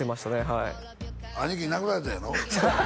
はい兄貴に殴られたんやろ？